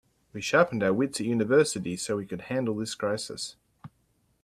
We sharpened our wits at university so we could handle this crisis.